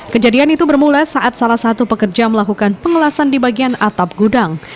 kejadian itu bermula saat salah satu pekerja melakukan pengelasan di bagian atap gudang